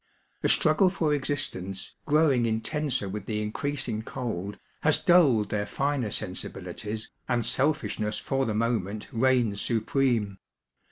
The struggle for existence, growing intenser with the increasing cold, has dulled their finer sensibilities, and selfishness for the moment reigns supreme.